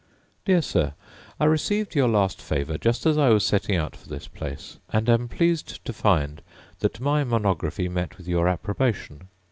Dear Sir, I received your last favour just as I was setting out for this place; and am pleased to find that my monography met with your approbation.